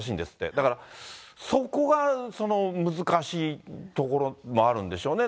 だからそこが難しいところもあるんでしょうね、